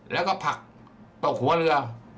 แล้วก็ผลักตกหัวเรือ